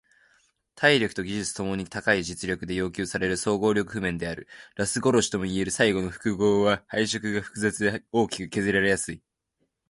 体力と技術共に高い実力で要求される総合力譜面である。ラス殺しともいえる最後の複合は配色が複雑で大きく削られやすい。